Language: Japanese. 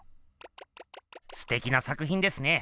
すてきな作ひんですね。